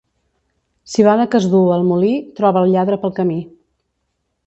Civada que es duu al molí troba el lladre pel camí.